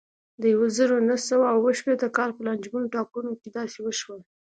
د یوه زرو نهه سوه اوه شپېتم کال په لانجمنو ټاکنو کې داسې وشول.